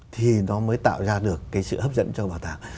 thì nó mới tạo ra được cái sự hấp dẫn cho bảo tàng